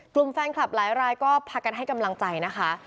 กลุ่มแฟนคลับหลายรายก็พากันให้กำลังใจนะคะ